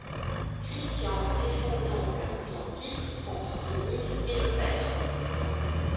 Christian défend donc son titre contre The Miz et le perd.